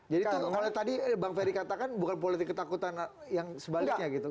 jadi itu tadi bang ferry katakan bukan politik ketakutan yang sebaliknya gitu kan